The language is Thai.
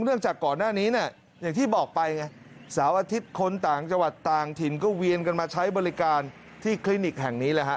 จากก่อนหน้านี้เนี่ยอย่างที่บอกไปไงเสาร์อาทิตย์คนต่างจังหวัดต่างถิ่นก็เวียนกันมาใช้บริการที่คลินิกแห่งนี้แหละฮะ